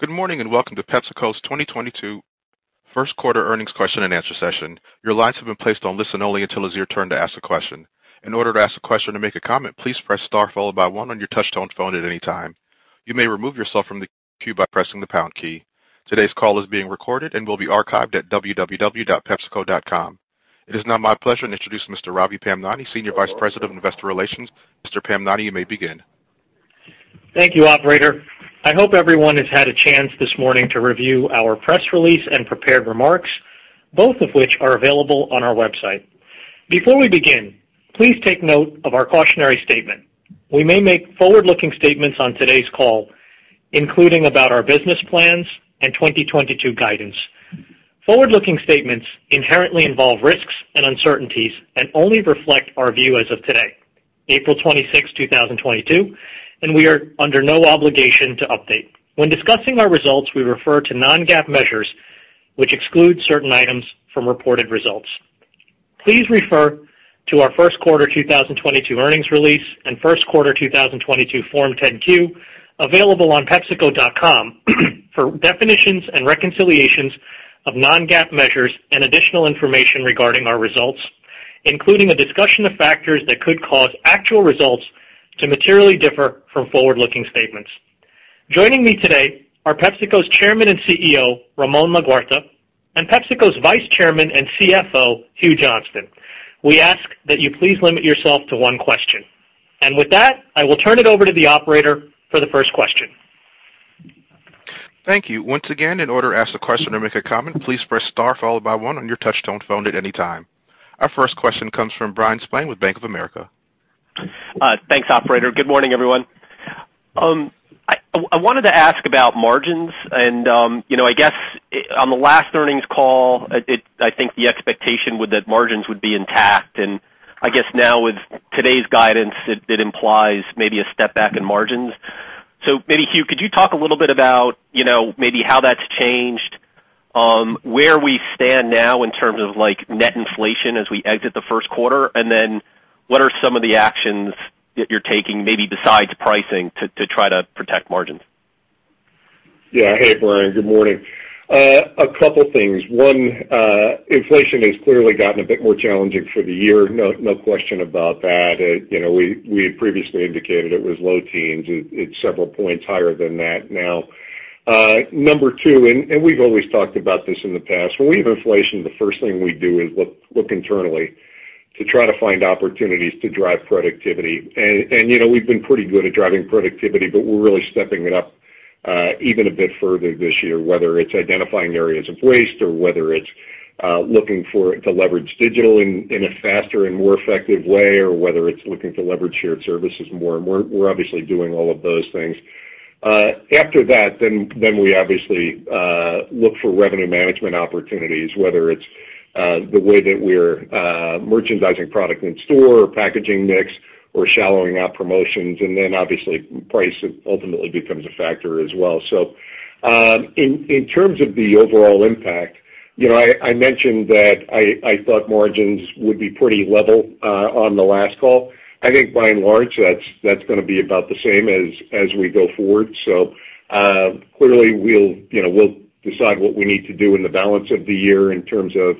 Good morning, and welcome to PepsiCo's 2022 First Quarter Earnings Q&A session. Your lines have been placed on listen only until it is your turn to ask a question. In order to ask a question or make a comment, please press star followed by one on your touchtone phone at any time. You may remove yourself from the queue by pressing the pound key. Today's call is being recorded and will be archived at www.pepsico.com. It is now my pleasure to introduce Mr. Ravi Pamnani, Senior Vice President of Investor Relations. Mr. Pamnani, you may begin. Thank you, operator. I hope everyone has had a chance this morning to review our press release and prepared remarks, both of which are available on our website. Before we begin, please take note of our cautionary statement. We may make forward-looking statements on today's call, including about our business plans and 2022 guidance. Forward-looking statements inherently involve risks and uncertainties and only reflect our view as of today, April 26, 2022, and we are under no obligation to update. When discussing our results, we refer to non-GAAP measures, which exclude certain items from reported results. Please refer to our first quarter 2022 earnings release and first quarter 2022 Form 10-Q available on pepsico.com for definitions and reconciliations of non-GAAP measures and additional information regarding our results, including a discussion of factors that could cause actual results to materially differ from forward-looking statements. Joining me today are PepsiCo's Chairman and CEO, Ramon Laguarta, and PepsiCo's Vice Chairman and CFO, Hugh Johnston. We ask that you please limit yourself to one question. With that, I will turn it over to the operator for the first question. Thank you. Once again, in order to ask a question or make a comment, please press star followed by one on your touchtone phone at any time. Our first question comes from Bryan Spillane with Bank of America. Thanks, operator. Good morning, everyone. I wanted to ask about margins and, you know, I guess on the last earnings call, I think the expectation was that margins would be intact. I guess now with today's guidance, it implies maybe a step back in margins. Maybe, Hugh, could you talk a little bit about, you know, maybe how that's changed, where we stand now in terms of like net inflation as we exit the first quarter, and then what are some of the actions that you're taking maybe besides pricing to try to protect margins? Yeah. Hey, Brian, good morning. A couple things. One, inflation has clearly gotten a bit more challenging for the year, no question about that. You know, we had previously indicated it was low teens. It's several points higher than that now. Number two, we've always talked about this in the past. When we have inflation, the first thing we do is look internally to try to find opportunities to drive productivity. You know, we've been pretty good at driving productivity, but we're really stepping it up even a bit further this year, whether it's identifying areas of waste or whether it's looking to leverage digital in a faster and more effective way, or whether it's looking to leverage shared services more. We're obviously doing all of those things. After that, then we obviously look for revenue management opportunities, whether it's the way that we're merchandising product in store or packaging mix or shallowing out promotions, and then obviously price ultimately becomes a factor as well. In terms of the overall impact, you know, I mentioned that I thought margins would be pretty level on the last call. I think by and large, that's gonna be about the same as we go forward. Clearly, we'll decide what we need to do in the balance of the year in terms of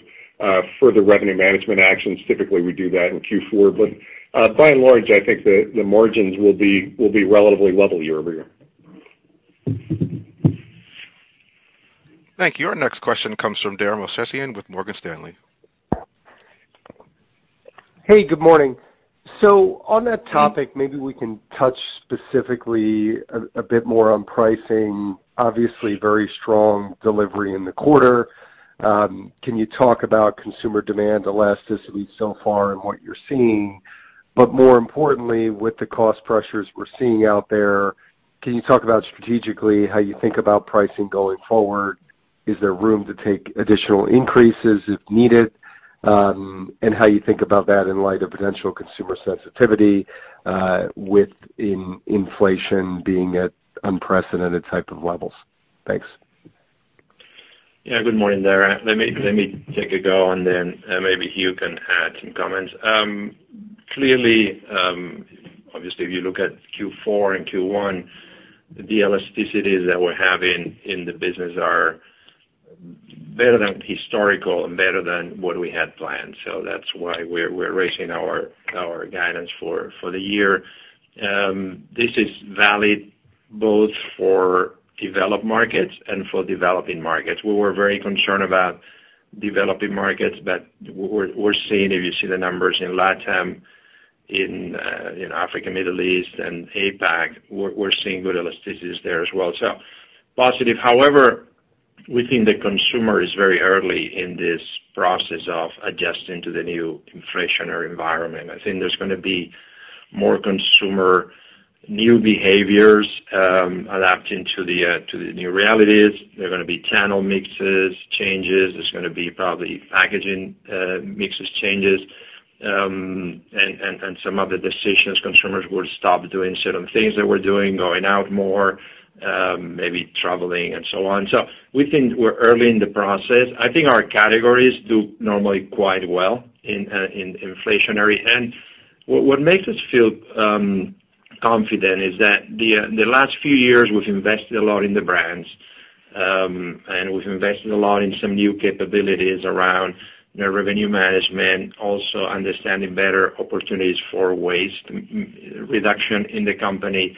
further revenue management actions. Typically, we do that in Q4. By and large, I think the margins will be relatively level year-over-year. Thank you. Our next question comes from Dara Mohsenian with Morgan Stanley. Hey, good morning. On that topic, maybe we can touch specifically a bit more on pricing. Obviously very strong delivery in the quarter. Can you talk about consumer demand elasticity so far and what you're seeing? More importantly, with the cost pressures we're seeing out there, can you talk about strategically how you think about pricing going forward? Is there room to take additional increases if needed, and how you think about that in light of potential consumer sensitivity with inflation being at unprecedented type of levels? Thanks. Yeah. Good morning, Dara. Let me take a go, and then maybe Hugh can add some comments. Clearly, obviously, if you look at Q4 and Q1, the elasticities that we have in the business are better than historical and better than what we had planned. That's why we're raising our guidance for the year. This is valid both for developed markets and for developing markets. We were very concerned about developing markets, but we're seeing if you see the numbers in LATAM, in Africa, Middle East, and APAC, we're seeing good elasticities there as well. Positive. However, we think the consumer is very early in this process of adjusting to the new inflationary environment. I think there's gonna be more new consumer behaviors adapting to the new realities. There are gonna be channel mix changes. There's gonna be probably packaging mix changes, and some other decisions. Consumers will stop doing certain things they were doing, going out more, maybe traveling and so on. We think we're early in the process. I think our categories do normally quite well in inflationary environment. What makes us feel confident is that the last few years we've invested a lot in the brands, and we've invested a lot in some new capabilities around net revenue management, also understanding better opportunities for waste reduction in the company.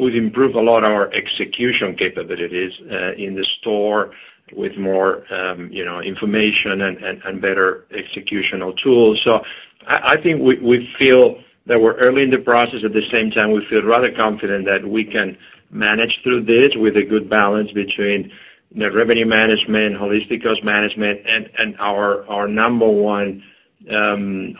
We've improved a lot our execution capabilities in the store with more, you know, information and better executional tools. I think we feel that we're early in the process. At the same time, we feel rather confident that we can manage through this with a good balance between net revenue management, holistic cost management, and our number one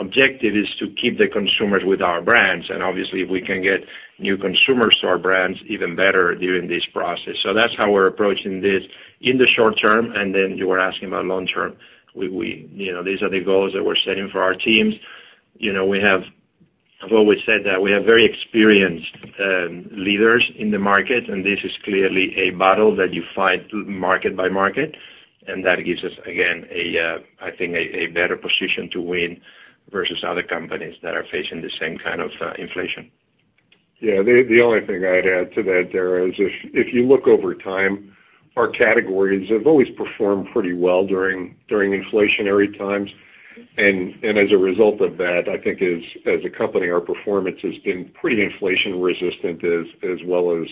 objective is to keep the consumers with our brands. Obviously, if we can get new consumers to our brands, even better during this process. That's how we're approaching this in the short term, and then you were asking about long term. We, you know, these are the goals that we're setting for our teams. You know, we have. I've always said that we have very experienced leaders in the market, and this is clearly a battle that you fight through market by market, and that gives us, again, I think a better position to win versus other companies that are facing the same kind of inflation. Yeah. The only thing I'd add to that, Dara, is if you look over time, our categories have always performed pretty well during inflationary times. As a result of that, I think, as a company, our performance has been pretty inflation resistant as well as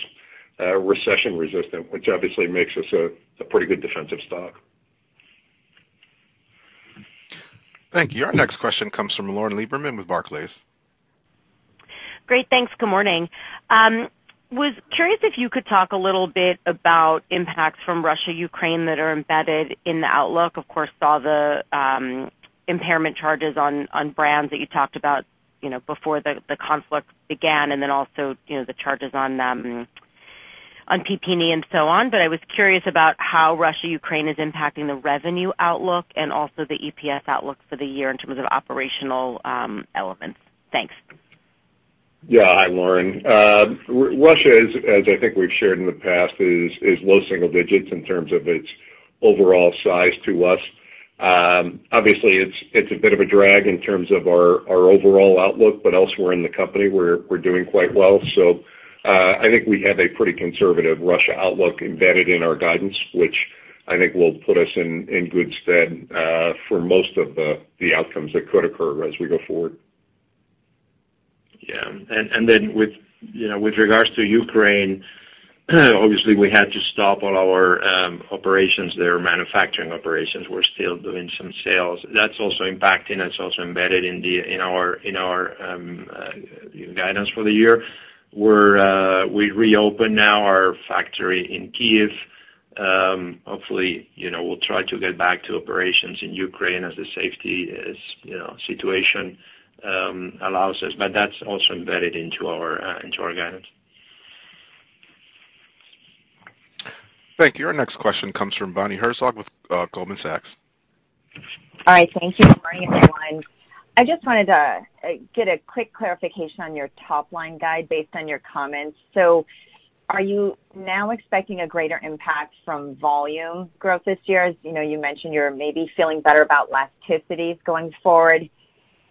recession resistant, which obviously makes us a pretty good defensive stock. Thank you. Our next question comes from Lauren Lieberman with Barclays. Great. Thanks. Good morning. I was curious if you could talk a little bit about impacts from Russia-Ukraine that are embedded in the outlook. Of course, I saw the impairment charges on brands that you talked about, you know, before the conflict began and then also, you know, the charges on them on PP&E and so on. I was curious about how Russia-Ukraine is impacting the revenue outlook and also the EPS outlook for the year in terms of operational elements. Thanks. Yeah. Hi, Lauren. Russia is, as I think we've shared in the past, is low single digits in terms of its overall size to us. Obviously, it's a bit of a drag in terms of our overall outlook, but elsewhere in the company we're doing quite well. I think we have a pretty conservative Russia outlook embedded in our guidance, which I think will put us in good stead for most of the outcomes that could occur as we go forward. Yeah. Then with regards to Ukraine, obviously, we had to stop all our operations there, manufacturing operations. We're still doing some sales. That's also embedded in our guidance for the year. We reopened now our factory in Kyiv. Hopefully, you know, we'll try to get back to operations in Ukraine as the safety situation allows us. But that's also embedded into our guidance. Thank you. Our next question comes from Bonnie Herzog with Goldman Sachs. Hi. Thank you for bringing me online. I just wanted to get a quick clarification on your top-line guide based on your comments. Are you now expecting a greater impact from volume growth this year? As you know, you mentioned you're maybe feeling better about elasticities going forward.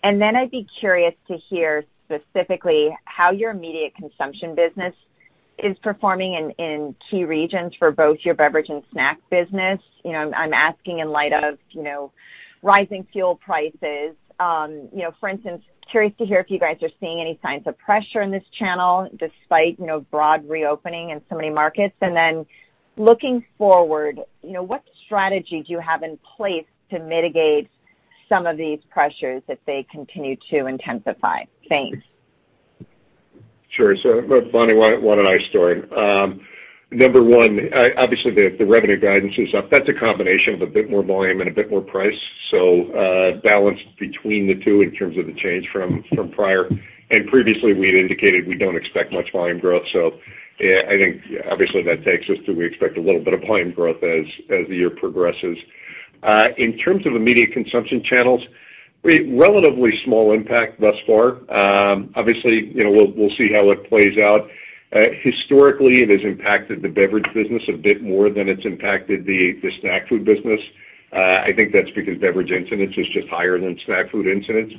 I'd be curious to hear specifically how your immediate consumption business is performing in key regions for both your beverage and snack business. You know, I'm asking in light of, you know, rising fuel prices. You know, for instance, curious to hear if you guys are seeing any signs of pressure in this channel despite, you know, broad reopening in so many markets. Looking forward, you know, what strategy do you have in place to mitigate some of these pressures if they continue to intensify? Thanks. Sure. So, Bonnie, why don't I start? Number one, obviously the revenue guidance is up. That's a combination of a bit more volume and a bit more price. Balance between the two in terms of the change from prior. Previously we had indicated we don't expect much volume growth. Yeah, I think obviously that takes us to, we expect a little bit of volume growth as the year progresses. In terms of immediate consumption channels, a relatively small impact thus far. Obviously, you know, we'll see how it plays out. Historically, it has impacted the beverage business a bit more than it's impacted the snack food business. I think that's because beverage incidence is just higher than snack food incidence.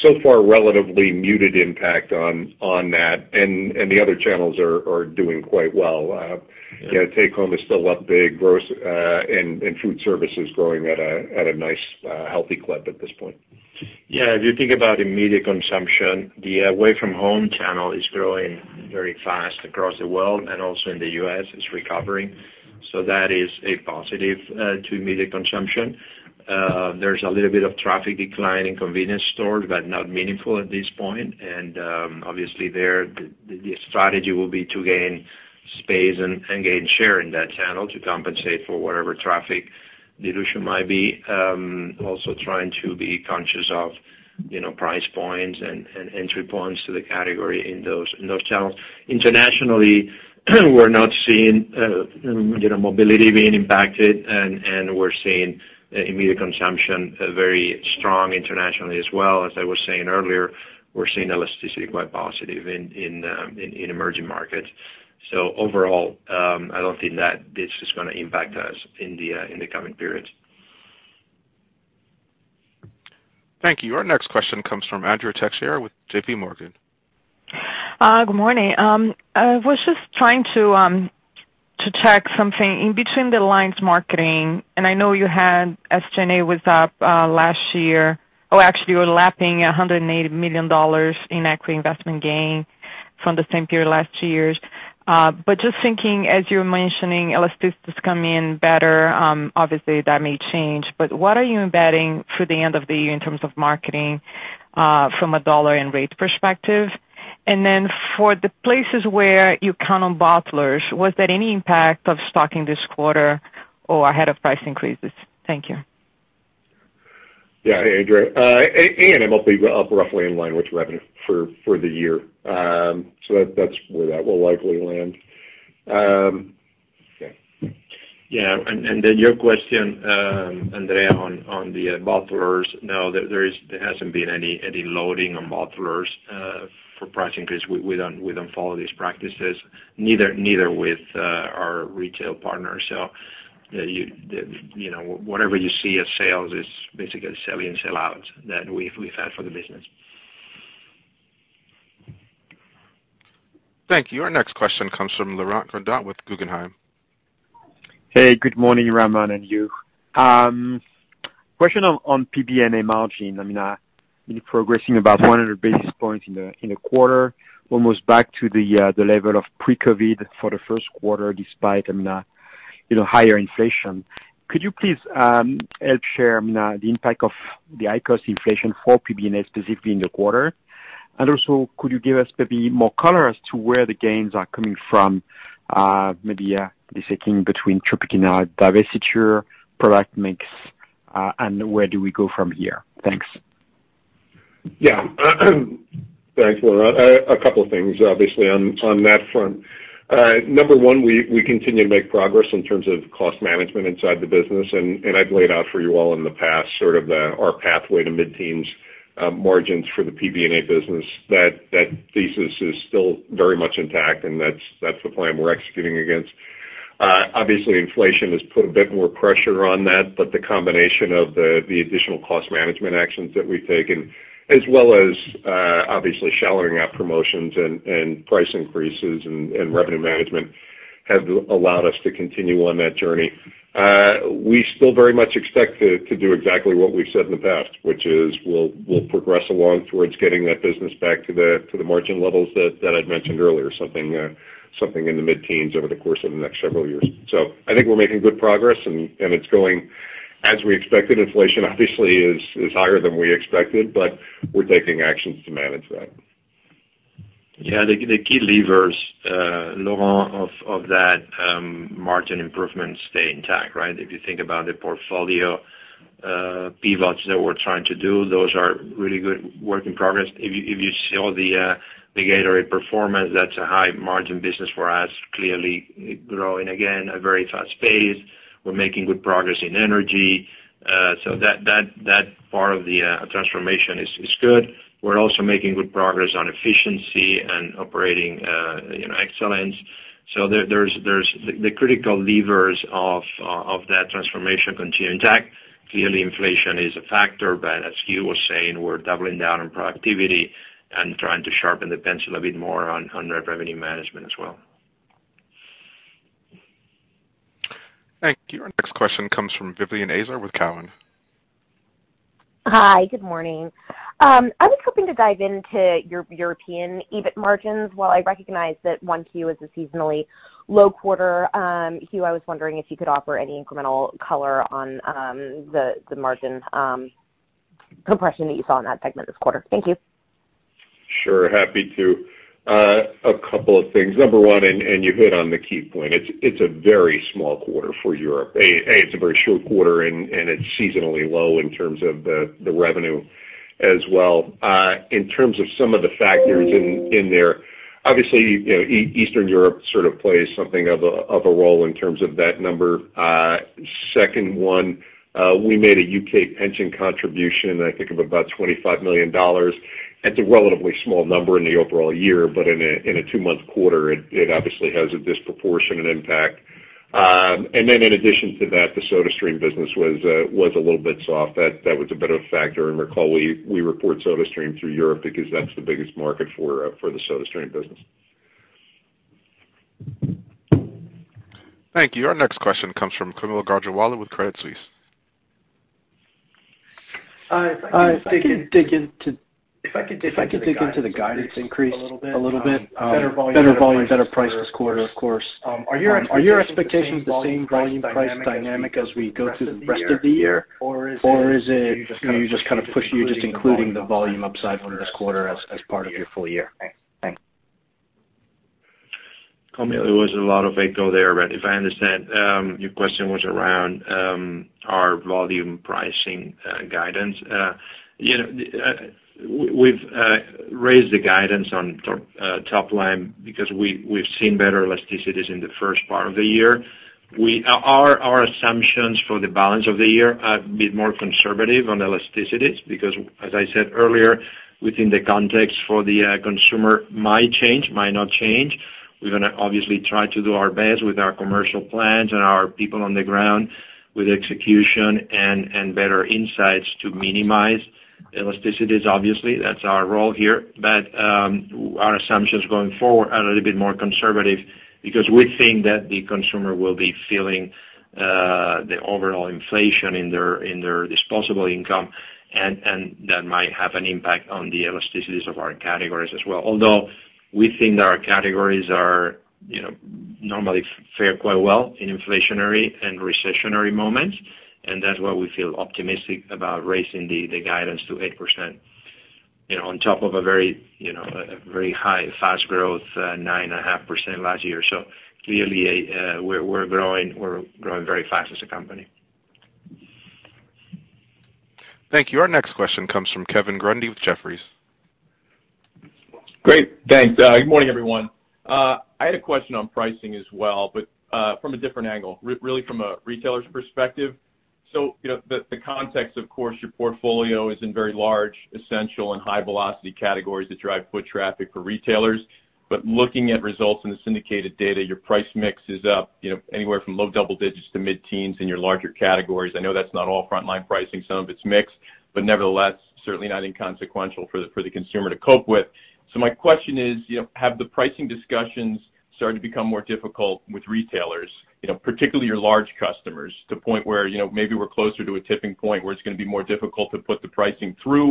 So far, relatively muted impact on that. The other channels are doing quite well. You know, take home is still up big growth, and food service is growing at a nice, healthy clip at this point. Yeah. If you think about immediate consumption, the away from home channel is growing very fast across the world and also in the U.S. it's recovering. That is a positive to immediate consumption. There's a little bit of traffic decline in convenience stores, but not meaningful at this point. Obviously the strategy will be to gain space and gain share in that channel to compensate for whatever traffic dilution might be. Also trying to be conscious of, you know, price points and entry points to the category in those channels. Internationally, we're not seeing, you know, mobility being impacted and we're seeing immediate consumption very strong internationally as well. As I was saying earlier, we're seeing elasticity quite positive in emerging markets. Overall, I don't think that this is gonna impact us in the coming periods. Thank you. Our next question comes from Andrea Teixeira with JPMorgan. Good morning. I was just trying to check something in between the lines marketing, and I know you had SG&A was up last year. Actually you were lapping $180 million in equity investment gain from the same period last year. But just thinking, as you're mentioning, elasticity is coming in better, obviously that may change. What are you embedding for the end of the year in terms of marketing, from a dollar and rate perspective? And then for the places where you count on bottlers, was there any impact of stocking this quarter or ahead of price increases? Thank you. Yeah, Andrea. A&M will be roughly in line with revenue for the year. That's where that will likely land. Yeah. Yeah. Your question, Andrea, on the bottlers. No. There hasn't been any loading on bottlers for price increase. We don't follow these practices neither with our retail partners. You know, whatever you see as sales is basically sell-in, sell-outs that we've had for the business. Thank you. Our next question comes from Laurent Grandet with Guggenheim. Hey, good morning, Ramon and Hugh. Question on PBNA margin. I mean, you're progressing about 100 basis points in the quarter, almost back to the level of pre-COVID for the first quarter, despite, I mean, you know, higher inflation. Could you please help share, I mean, the impact of the COGS inflation for PBNA specifically in the quarter? And also, could you give us maybe more color as to where the gains are coming from, maybe distinguishing between Tropicana divestiture, and where do we go from here? Thanks. Yeah. Thanks, Laurent. A couple of things, obviously, on that front. Number one, we continue to make progress in terms of cost management inside the business, and I've laid out for you all in the past sort of our pathway to mid-teens margins for the PBNA business. That thesis is still very much intact, and that's the plan we're executing against. Obviously inflation has put a bit more pressure on that, but the combination of the additional cost management actions that we've taken, as well as obviously showering out promotions and price increases and revenue management have allowed us to continue on that journey. We still very much expect to do exactly what we've said in the past, which is we'll progress along towards getting that business back to the margin levels that I'd mentioned earlier, something in the mid-teens over the course of the next several years. I think we're making good progress and it's going as we expected. Inflation obviously is higher than we expected, but we're taking actions to manage that. Yeah. The key levers, Laurent, of that margin improvements stay intact, right? If you think about the portfolio pivots that we're trying to do, those are really good work in progress. If you see all the Gatorade performance, that's a high margin business for us, clearly growing, again, at a very fast pace. We're making good progress in energy. That part of the transformation is good. We're also making good progress on efficiency and operating, you know, excellence. The critical levers of that transformation continue intact. Clearly, inflation is a factor, but as Hugh was saying, we're doubling down on productivity and trying to sharpen the pencil a bit more on our revenue management as well. Thank you. Our next question comes from Vivien Azer with Cowen. Hi. Good morning. I was hoping to dive into your European EBIT margins. While I recognize that Q1 is a seasonally low quarter, Hugh, I was wondering if you could offer any incremental color on the margin compression that you saw in that segment this quarter. Thank you. Sure. Happy to. A couple of things. Number one, you hit on the key point, it's a very small quarter for Europe. It's a very short quarter and it's seasonally low in terms of the revenue as well. In terms of some of the factors in there, obviously, you know, Eastern Europe sort of plays something of a role in terms of that number. Second one, we made a U.K. pension contribution, I think of about $25 million. It's a relatively small number in the overall year, but in a two-month quarter, it obviously has a disproportionate impact. Then in addition to that, the SodaStream business was a little bit soft. That was a bit of a factor. Recall, we report SodaStream through Europe because that's the biggest market for the SodaStream business. Thank you. Our next question comes from Kaumil Gajrawala with Credit Suisse. If I could dig into the guidance increase a little bit, better volume, better price this quarter, of course. Are your expectations the same volume price dynamic as we go through the rest of the year? Or is it you just kind of you're just including the volume upside for this quarter as part of your full year? Thanks. Kaumil, there was a lot of echo there, but if I understand, your question was around our volume pricing guidance. You know, we've raised the guidance on top line because we've seen better elasticities in the first part of the year. Our assumptions for the balance of the year are a bit more conservative on elasticities because as I said earlier, within the context for the consumer might change, might not change. We're gonna obviously try to do our best with our commercial plans and our people on the ground with execution and better insights to minimize elasticities. Obviously, that's our role here. Our assumptions going forward are a little bit more conservative because we think that the consumer will be feeling the overall inflation in their disposable income, and that might have an impact on the elasticities of our categories as well. Although we think our categories are, you know, normally fare quite well in inflationary and recessionary moments, and that's why we feel optimistic about raising the guidance to 8%, you know, on top of a very, you know, a very high fast growth, 9.5% last year. Clearly, we're growing very fast as a company. Thank you. Our next question comes from Kevin Grundy with Jefferies. Great. Thanks. Good morning, everyone. I had a question on pricing as well, but from a different angle, really from a retailer's perspective. You know, the context, of course, your portfolio is in very large essential and high velocity categories that drive foot traffic for retailers. But looking at results in the syndicated data, your price mix is up, you know, anywhere from low double digits to mid-teens in your larger categories. I know that's not all frontline pricing, some of it's mixed, but nevertheless, certainly not inconsequential for the consumer to cope with. So my question is, you know, have the pricing discussions started to become more difficult with retailers, you know, particularly your large customers, to a point where, you know, maybe we're closer to a tipping point where it's gonna be more difficult to put the pricing through?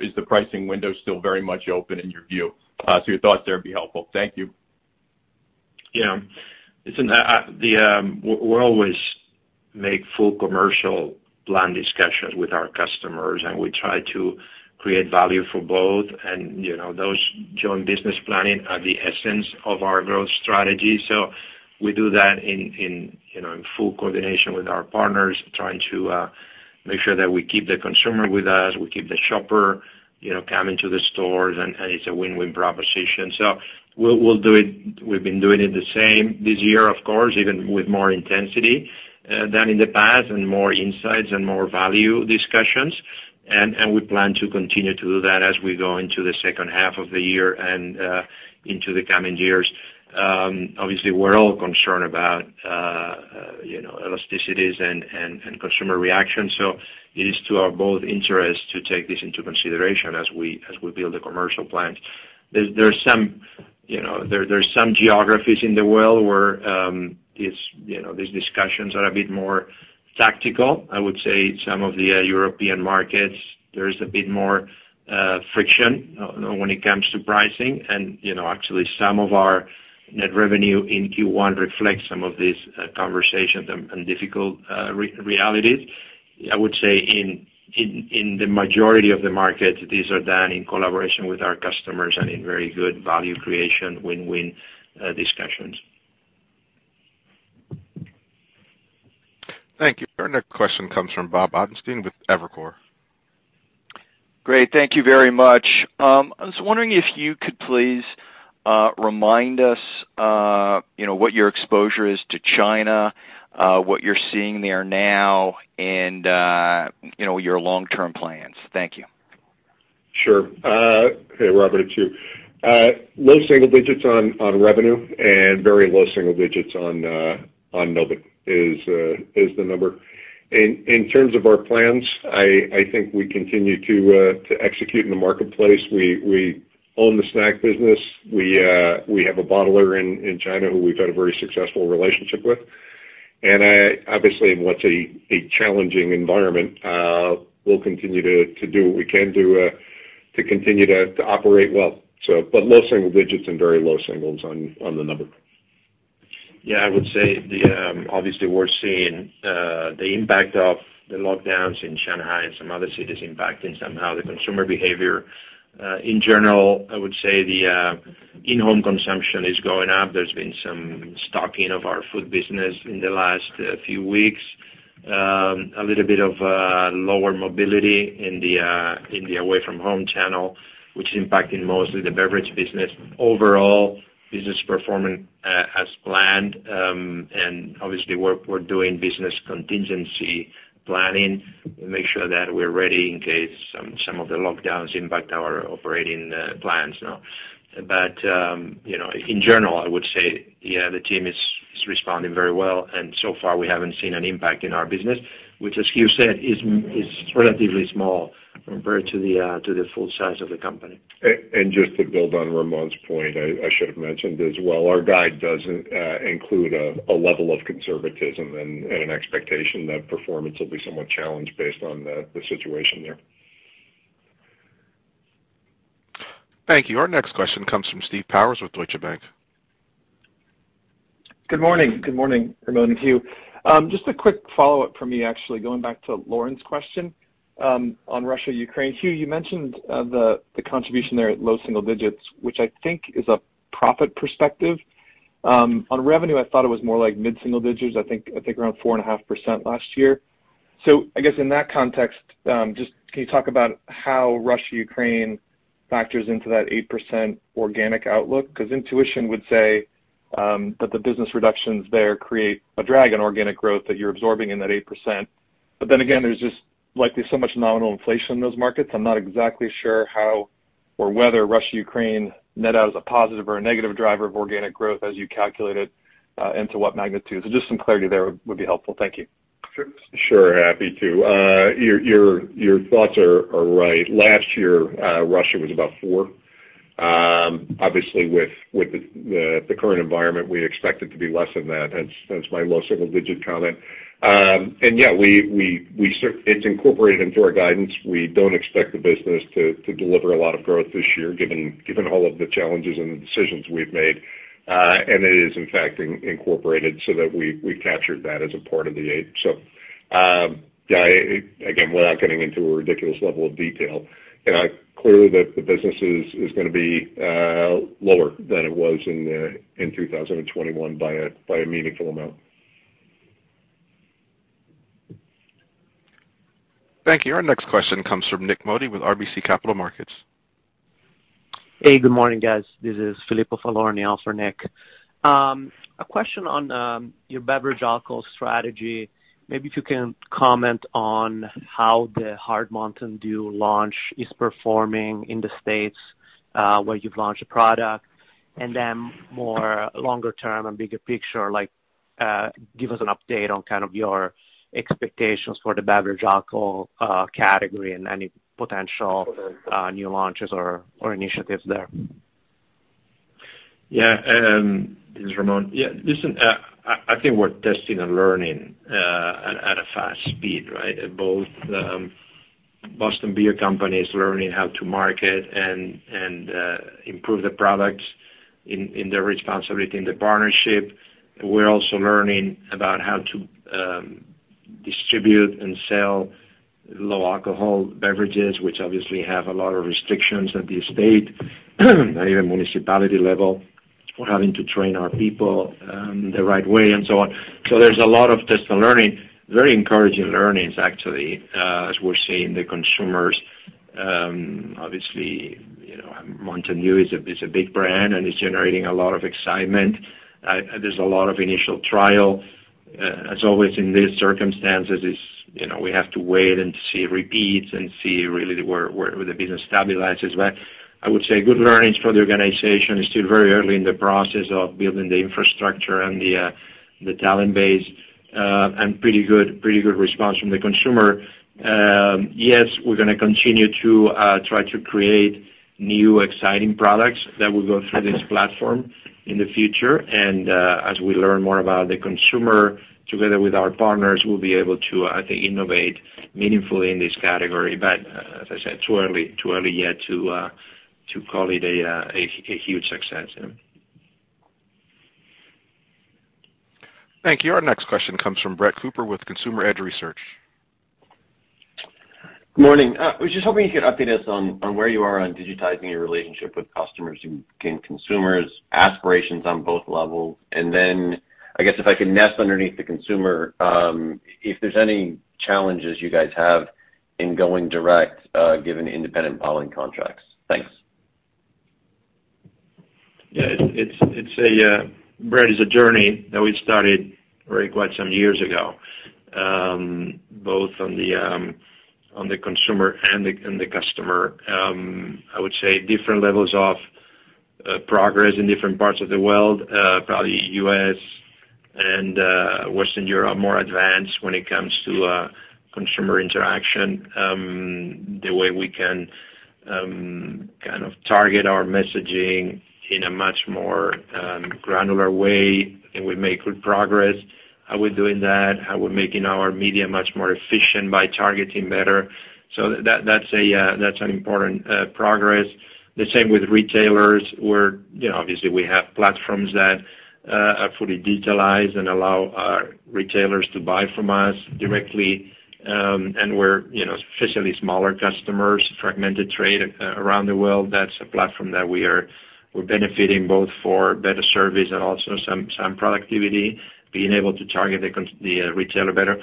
Is the pricing window still very much open in your view? Your thoughts there would be helpful. Thank you. We're always make full commercial plan discussions with our customers, and we try to create value for both. You know, those joint business planning are the essence of our growth strategy. We do that in full coordination with our partners, trying to make sure that we keep the consumer with us, we keep the shopper coming to the stores, and it's a win-win proposition. We'll do it. We've been doing it the same this year, of course, even with more intensity than in the past and more insights and more value discussions. We plan to continue to do that as we go into the second half of the year and into the coming years. Obviously, we're all concerned about, you know, elasticities and consumer reaction. It is to our both interests to take this into consideration as we build the commercial plans. There's some, you know, there's some geographies in the world where, it's, you know, these discussions are a bit more tactical. I would say some of the European markets, there's a bit more friction when it comes to pricing. You know, actually some of our net revenue in Q1 reflects some of these conversations and difficult realities. I would say in the majority of the markets, these are done in collaboration with our customers and in very good value creation win-win discussions. Thank you. Our next question comes from Robert Ottenstein with Evercore. Great. Thank you very much. I was wondering if you could please remind us, you know, what your exposure is to China, what you're seeing there now and, you know, your long-term plans. Thank you. Sure. Hey, Robert, it's Hugh. Low single digits on revenue and very low single digits on profit is the number. In terms of our plans, I think we continue to execute in the marketplace. We own the snack business. We have a bottler in China who we've had a very successful relationship with. Obviously, in what's a challenging environment, we'll continue to do what we can do to continue to operate well. But low single digits and very low single digits on the number. Yeah, I would say. Obviously, we're seeing the impact of the lockdowns in Shanghai and some other cities impacting somehow the consumer behavior. In general, I would say the in-home consumption is going up. There's been some stocking of our food business in the last few weeks. A little bit of lower mobility in the away from home channel, which is impacting mostly the beverage business. Overall, business performing as planned. Obviously we're doing business contingency planning to make sure that we're ready in case some of the lockdowns impact our operating plans now. You know, in general, I would say, yeah, the team is responding very well, and so far we haven't seen an impact in our business, which as Hugh said, is relatively small compared to the full size of the company. Just to build on Ramon's point, I should have mentioned as well, our guide does include a level of conservatism and an expectation that performance will be somewhat challenged based on the situation there. Thank you. Our next question comes from Steve Powers with Deutsche Bank. Good morning. Good morning, Ramon and Hugh. Just a quick follow-up from me actually going back to Lauren's question, on Russia-Ukraine. Hugh, you mentioned the contribution there at low single digits, which I think is a profit perspective. On revenue, I thought it was more like mid-single digits, I think around 4.5% last year. I guess in that context, just can you talk about how Russia, Ukraine factors into that 8% organic outlook? Because intuition would say that the business reductions there create a drag on organic growth that you're absorbing in that 8%. But then again, there's just likely so much nominal inflation in those markets. I'm not exactly sure how or whether Russia, Ukraine net out as a positive or a negative driver of organic growth as you calculate it into what magnitude. Just some clarity there would be helpful. Thank you. Sure. Happy to. Your thoughts are right. Last year, Russia was about 4%. Obviously with the current environment, we expect it to be less than that. Hence, my low single-digit comment. Yeah, it's incorporated into our guidance. We don't expect the business to deliver a lot of growth this year, given all of the challenges and the decisions we've made. It is, in fact, incorporated so that we captured that as a part of the 8%. So, yeah, again, without getting into a ridiculous level of detail, clearly the business is gonna be lower than it was in 2021 by a meaningful amount. Thank you. Our next question comes from Nik Modi with RBC Capital Markets. Hey, good morning, guys. This is Filippo Falorni for Nik. A question on your beverage alcohol strategy. Maybe if you can comment on how the HARD MTN DEW launch is performing in the States, where you've launched the product. More longer term and bigger picture, like, give us an update on kind of your expectations for the beverage alcohol category and any potential new launches or initiatives there. Yeah, this is Ramon. Yeah, listen, I think we're testing and learning at a fast speed, right? Both, Boston Beer Company is learning how to market and improve the products in their responsibility in the partnership. We're also learning about how to distribute and sell low alcohol beverages, which obviously have a lot of restrictions at the state and even municipality level. We're having to train our people the right way and so on. There's a lot of test and learning. Very encouraging learnings, actually, as we're seeing the consumers, obviously, you know, MTN DEW is a big brand, and it's generating a lot of excitement. There's a lot of initial trial. As always in these circumstances, it's, you know, we have to wait and see repeats and see really where the business stabilizes. I would say good learnings for the organization. It's still very early in the process of building the infrastructure and the talent base, and pretty good response from the consumer. Yes, we're gonna continue to try to create new, exciting products that will go through this platform in the future. As we learn more about the consumer together with our partners, we'll be able to, I think, innovate meaningfully in this category. As I said, too early yet to call it a huge success. Yeah. Thank you. Our next question comes from Brett Cooper with Consumer Edge Research. Morning. I was just hoping you could update us on where you are on digitizing your relationship with customers and gaining consumers' aspirations on both levels. I guess if I could ask underneath the consumer, if there's any challenges you guys have in going direct, given independent bottling contracts. Thanks. Yeah. It's a journey that we started quite some years ago, both on the consumer and the customer. I would say different levels of progress in different parts of the world, probably U.S. and Western Europe, more advanced when it comes to consumer interaction. The way we can kind of target our messaging in a much more granular way, and we make good progress. How we're doing that, how we're making our media much more efficient by targeting better. That's an important progress. The same with retailers. We're, you know, obviously we have platforms that are fully digitalized and allow our retailers to buy from us directly. And we're, you know, especially smaller customers, fragmented trade around the world. That's a platform that we're benefiting both for better service and also some productivity, being able to target the retailer better.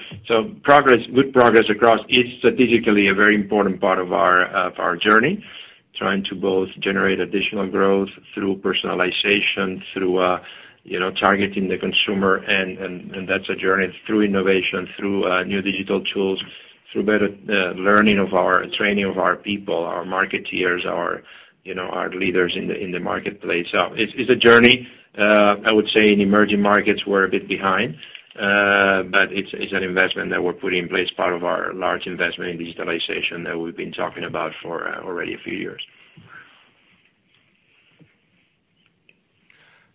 Progress, good progress across is strategically a very important part of our journey, trying to both generate additional growth through personalization, through you know targeting the consumer and that's a journey through innovation, through new digital tools, through better learning of our training of our people, our marketeers, our you know our leaders in the marketplace. It's a journey. I would say in emerging markets, we're a bit behind, but it's an investment that we're putting in place, part of our large investment in digitalization that we've been talking about for already a few years.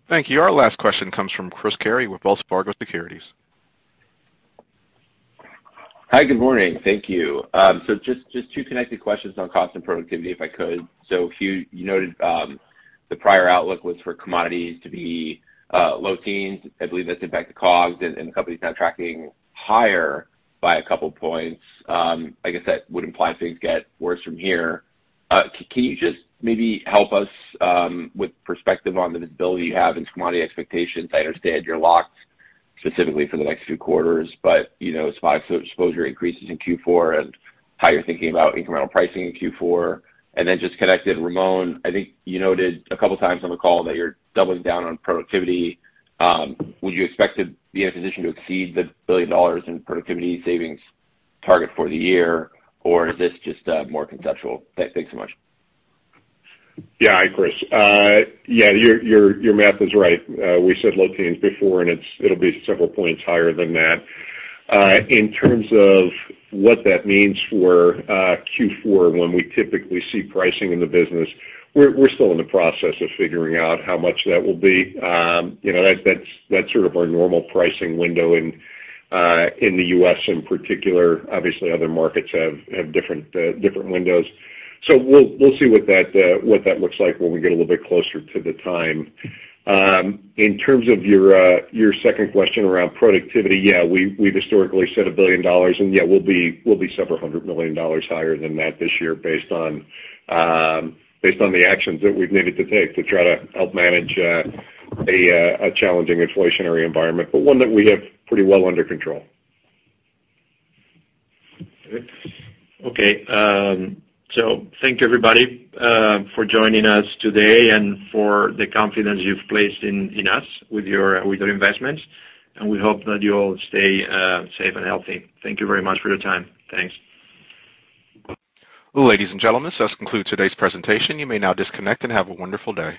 Thank you. Our last question comes from Chris Carey with Wells Fargo Securities. Hi, good morning. Thank you. Just two connected questions on cost and productivity, if I could. Hugh, you noted the prior outlook was for commodities to be low teens. I believe that's in fact the COGS and the company's now tracking higher by a couple points. I guess that would imply things get worse from here. Can you just maybe help us with perspective on the visibility you have in commodity expectations? I understand you're locked specifically for the next few quarters, but you know, supply exposure increases in Q4 and how you're thinking about incremental pricing in Q4. Just connected, Ramon, I think you noted a couple times on the call that you're doubling down on productivity. Would you expect to be in a position to exceed the $1 billion in productivity savings target for the year, or is this just more conceptual? Thanks so much. Yeah. Hi, Chris. Yeah, your math is right. We said low teens before, and it'll be several points higher than that. In terms of what that means for Q4 when we typically see pricing in the business, we're still in the process of figuring out how much that will be. You know, that's sort of our normal pricing window in the U.S. in particular. Obviously, other markets have different windows. We'll see what that looks like when we get a little bit closer to the time. In terms of your second question around productivity, yeah, we have historically set $1 billion, and yeah, we'll be several hundred million dollars higher than that this year based on the actions that we have needed to take to try to help manage a challenging inflationary environment, but one that we have pretty well under control. Okay. Thank you everybody for joining us today and for the confidence you've placed in us with your investments, and we hope that you all stay safe and healthy. Thank you very much for your time. Thanks. Well, ladies and gentlemen, so that concludes today's presentation. You may now disconnect and have a wonderful day.